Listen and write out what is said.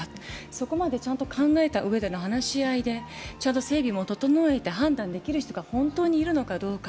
そこまでちゃんと考えたうえでの話し合いでちゃんと整備も整えて判断できる人が本当にいるのかどうか。